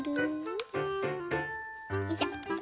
よいしょ。